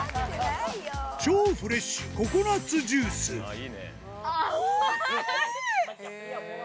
超フレッシュ、ココナッツジューおいしい！